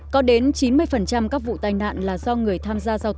có đến chín mươi các vụ tai nạn là do người tham gia